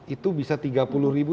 itu bisa tiga puluh ribu